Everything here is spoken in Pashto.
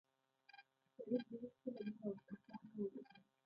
شريف دى هېڅکله دومره وارخطا نه و ليدلى.